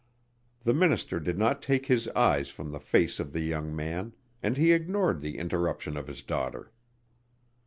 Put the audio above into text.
The minister did not take his eyes from the face of the young man and he ignored the interruption of his daughter.